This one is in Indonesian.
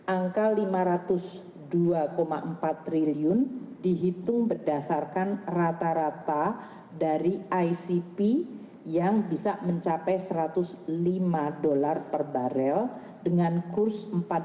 angka rp lima ratus dua empat triliun dihitung berdasarkan rata rata dari icp yang bisa mencapai rp satu ratus lima triliun